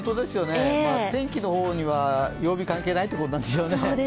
天気の方には曜日、関係ないってことでしょうね。